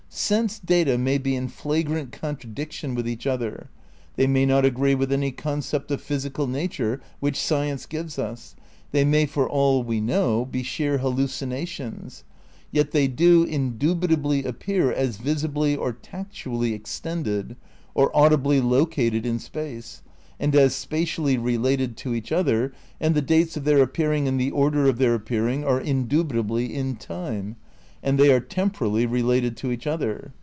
Sense data may be in flagrant contradiction with each other, they may not agree with any concept of physical nature which sci ence gives us, they may for all we know be sheer hallu cinations, yet they do indubitably appear as visibly or tactually extended, or audibly located in space, and as spatially related to each other, and the dates of their appearing and the order of their appearing are indu bitably in time, and they are temporally related to each other.